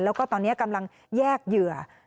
แล้วก็ตอนนี้กำลังแยกเหยื่อ